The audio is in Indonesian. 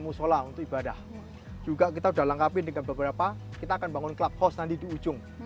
musola untuk ibadah juga kita udah lengkapin dengan beberapa kita akan bangun clubhouse nanti di ujung